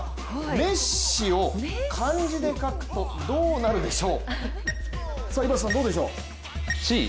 メッシを漢字で書くとどうなるでしょう？